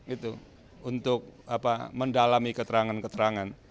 itu untuk mendalami keterangan keterangan